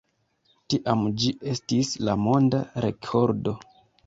Tiam ĝi estis la monda rekordo.